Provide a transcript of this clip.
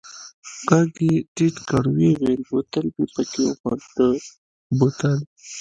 ږغ يې ټيټ کړ ويې ويل بوتل مې پکښې ومنډه بوتل.